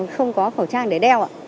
không có khẩu trang để đeo